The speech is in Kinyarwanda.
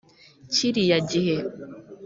Kiriya gihe